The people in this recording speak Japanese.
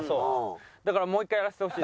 だからもう一回やらせてほしい。